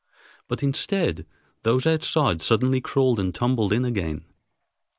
But, instead, those outside suddenly crawled and tumbled in again.